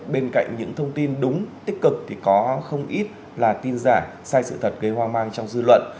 bên cạnh những thông tin đúng tích cực thì có không ít là tin giả sai sự thật gây hoang mang trong dư luận